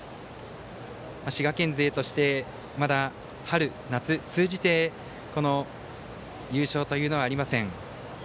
滋賀県勢として春夏通じて優勝というのはありません。